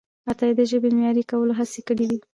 عطایي د ژبې د معیاري کولو هڅې کړیدي.